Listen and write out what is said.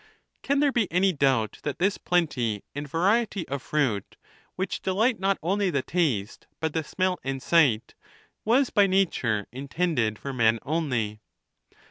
Can there be any doubt that this plenty and variety of fruit, which delight not only the taste, but the smell and sight, was by nature in tended for men only